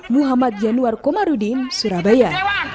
muhammad januar komarudin surabaya